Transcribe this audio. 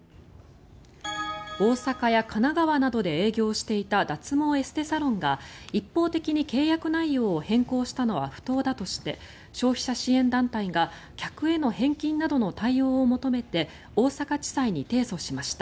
大阪や神奈川などで営業していた脱毛エステサロンが一方的に契約内容を変更したのは不当だとして消費者支援団体が客への返金などの対応を求めて大阪地裁に提訴しました。